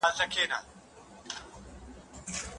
تاسو په خپلو منځونو کي عدل وکړئ.